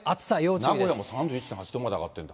名古屋も３１．８度まで上がってるんだ。